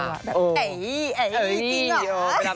แบบไอ้จริงหรอ